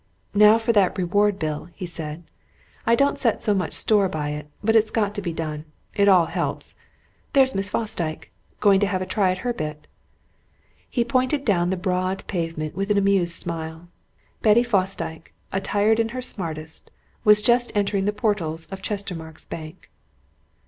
"Now for that reward bill," he said. "I don't set so much store by it, but it's got to be done. It all helps. There's Miss Fosdyke going to have a try at her bit." He pointed down the broad pavement with an amused smile. Miss Betty Fosdyke, attired in her smartest, was just entering the portals of Chestermarke's Bank.